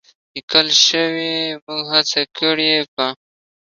لیکل شوې، موږ هڅه کړې په